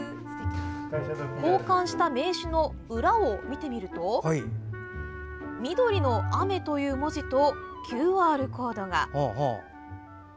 交換した名刺の裏を見てみると「緑の雨」という文字とＱＲコードが。